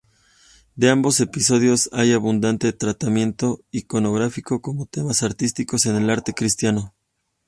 De ambos episodios hay abundante tratamiento iconográfico como temas artísticos en el arte cristiano.